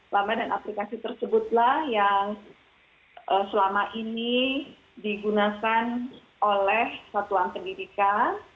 lama dan aplikasi tersebutlah yang selama ini digunakan oleh satuan pendidikan